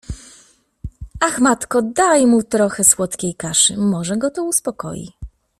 Ach, matko, daj mu trochę słodkiej kaszy… może go to uspokoi.